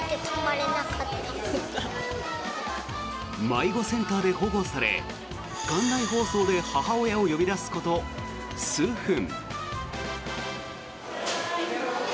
迷子センターで保護され館内放送で母親を呼び出すこと数分。